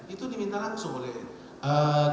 itu diminta langsung boleh